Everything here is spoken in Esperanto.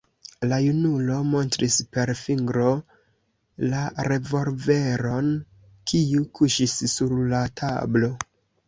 La junulo montris per fingro la revolveron, kiu kuŝis sur la tablo.